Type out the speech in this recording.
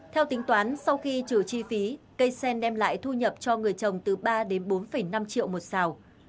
theo tính toán sau khi trừ chi phí cây sen đem lại thu nhập cho người trồng từ ba đến bốn năm triệu một xào